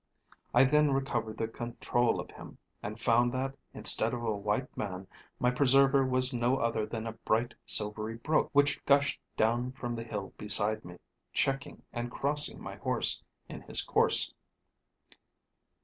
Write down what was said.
I then recovered the control of him, and found that, instead of a white man, my preserver was no other than a bright silvery brook, which gushed down from the hill beside me, checking and crossing my horse in his course."